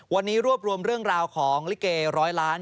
วันนี้รวบรวมเรื่องราวของลิเกร้อยล้าน